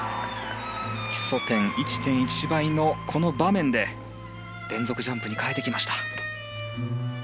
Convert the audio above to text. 基礎点１．１倍のこの場面で連続ジャンプに変えてきました。